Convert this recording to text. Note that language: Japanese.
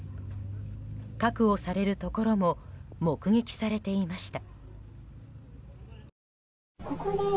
確保されるところも目撃されていました。